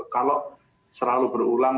kalau selalu berulang